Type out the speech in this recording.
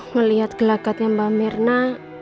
melihat gelakatnya mbak mirna